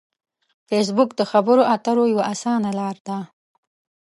فېسبوک د خبرو اترو یوه اسانه لار ده